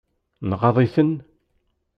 Nɣaḍ-iten?